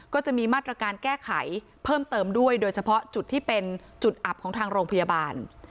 ก็จะมีมาตรการแก้ไขเพิ่มเติมด้วยโดยเฉพาะจุดที่เป็นจุดอับของทางโรงพยาบาล